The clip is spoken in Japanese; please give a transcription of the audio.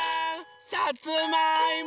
さつまいも！